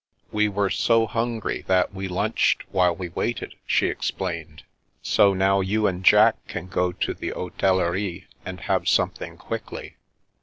" We were so hungry, that we lunched while we waited," she explained, " so now you and Jack can go to the hotellerie and have something quiddy.